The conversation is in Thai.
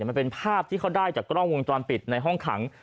มันเป็นภาพที่เขาได้จากกล้องวงจรปิดในห้องขัง